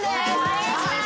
お願いします。